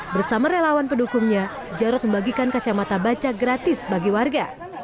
bersama relawan pendukungnya jarod membagikan kacamata baca gratis bagi warga